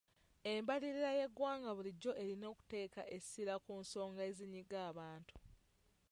Embalirira y'eggwanga bulijjo erina okuteeka essira ku nsonga ezinyiga abantu.